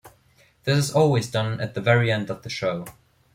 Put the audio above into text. This is always done at the very end of the show.